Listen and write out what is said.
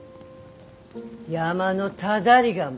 山のただりがも。